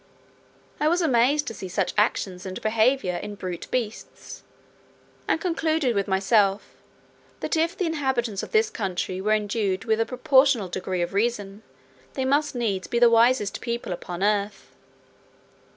I was amazed to see such actions and behaviour in brute beasts; and concluded with myself, that if the inhabitants of this country were endued with a proportionable degree of reason, they must needs be the wisest people upon earth.